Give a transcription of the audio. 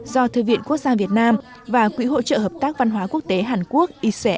do thư viện quốc gia việt nam và quỹ hỗ trợ hợp tác văn hóa quốc tế hàn quốc ic